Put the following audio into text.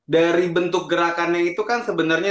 dari bentuk gerakannya itu kan sebenarnya